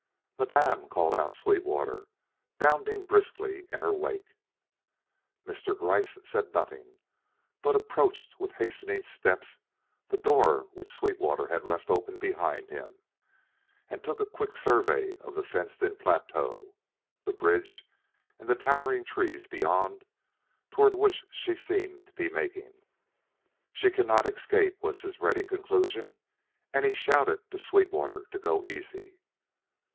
"Madame!" called out Sweetwater, bounding briskly in her wake. Mr. Gryce said nothing but approached with hastening steps the door which Sweetwater had left open behind him, and took a quick survey of the fenced in plateau, the bridge and the towering trees beyond, toward which she seemed to be making. "She cannot escape," was his ready conclusion; and he shouted to Sweetwater to go easy.